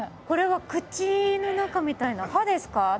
これは口の中みたいな歯ですか？